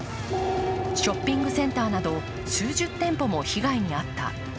ショッピングセンターなど数十店舗も被害に遭った。